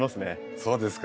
そうですか。